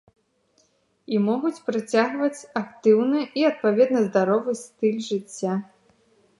І могуць працягваць актыўны і адпаведна здаровы стыль жыцця.